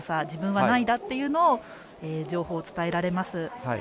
自分は何位だというのを情報を伝えられます。